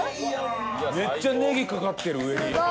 めっちゃネギかかってる上に。